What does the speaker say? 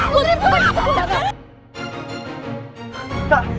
kita harus samperin tak